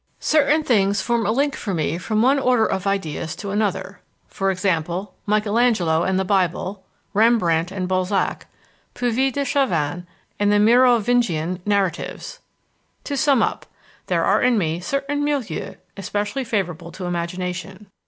Certain things form a link for me from one order of ideas to another. For example, Michaelangelo and the Bible, Rembrandt and Balzac, Puvis de Chavannes and the Merovingian narratives. "To sum up: There are in me certain milieux especially favorable to imagination.